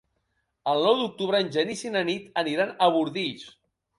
El nou d'octubre en Genís i na Nit aniran a Bordils.